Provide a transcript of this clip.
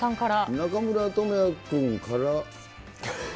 中村倫也君から。